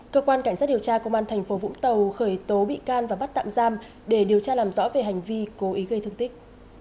cơ quan cảnh sát điều tra công an tp vũng tàu khởi tố bị can và bắt tạm giam để điều tra làm rõ về hành vi cố ý gây thương tích